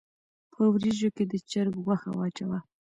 په وريژو کښې د چرګ غوښه واچوه